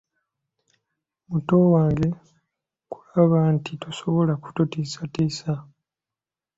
Muto wange nakulaba nti tosobola kututiisatiisa.